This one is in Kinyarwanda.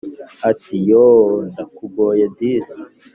ati"yooooh ndakugoye disi."